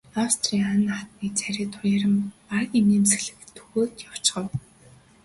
Австрийн Анна хатны царай туяаран бараг инээмсэглэх дөхөөд явчихав.